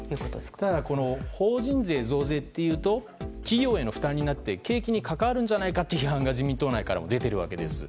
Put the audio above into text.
ただこの法人税増税というと企業への負担になって景気に関わるんじゃないかという批判が自民党内からも出ているわけです。